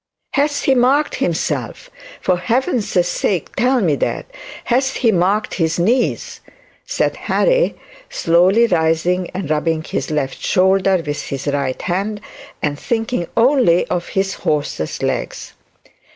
'Has he marked himself? for heaven's sake tell me that; has he marked his knees?' said Harry, slowly rising and rubbing his left shoulder with his right hand, and thinking only of his horse's legs.